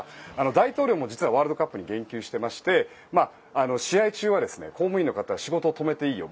大統領も実はワールドカップに言及してまして試合中は公務員の方は仕事を止めていいよ